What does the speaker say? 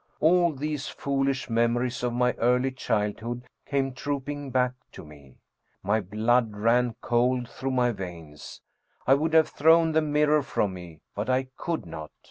All these foolish memories of my early childhood came trooping back to me. My blood ran cold through my veins. I would have thrown the mirror from me, but I could not.